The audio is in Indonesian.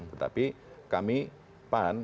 tetapi kami pan